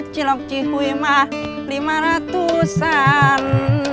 cilok cihuy ma lima ratusan